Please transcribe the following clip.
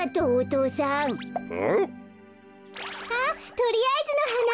とりあえずのはな。